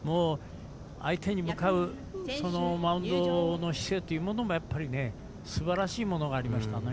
相手に向かうマウンドの姿勢というものもやっぱり、すばらしいものがありました。